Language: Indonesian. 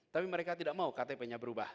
tapi mereka tidak mau ktp nya berubah